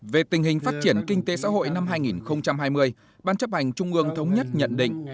về tình hình phát triển kinh tế xã hội năm hai nghìn hai mươi ban chấp hành trung ương thống nhất nhận định